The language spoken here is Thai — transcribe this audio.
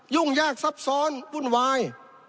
ยุ่งยากซับซ้อนวุ่นวาย